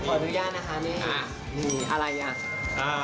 ขออนุญาตนะคะนี่นี่อะไรอย่าง